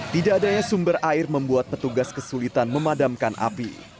tidak adanya sumber air membuat petugas kesulitan memadamkan api